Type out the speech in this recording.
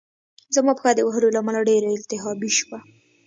زما پښه د وهلو له امله ډېره التهابي شوه